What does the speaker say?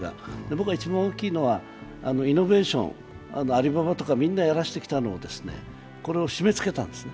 僕は一番大きいのは、イノベーション、アリババとか、みんなやらせてきたのを、これを締めつけたんです。